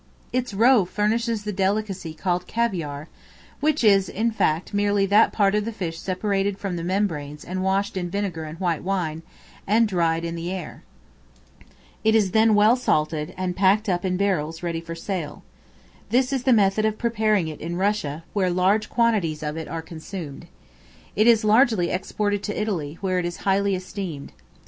Its roe furnishes the delicacy called Caviare, which is in fact merely that part of the fish separated from the membranes and washed in vinegar and white wine, and dried in the air. It is then well salted, and packed up in barrels ready for sale. This is the method of preparing it in Russia, where large quantities of it are consumed. It is largely exported to Italy, where it is highly esteemed.